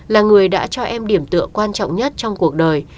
là người đã cho em điểm tựa quan trọng nhất trong cuộc đời